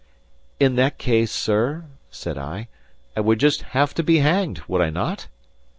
"In that case, sir," said I, "I would just have to be hanged would I not?"